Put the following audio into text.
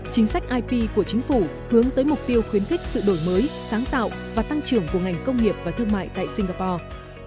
chính sách ip của chính phủ hướng tới mục tiêu khuyến khích sự đổi mới sáng tạo và tăng trưởng của ngành công nghiệp và thương mại tại singapore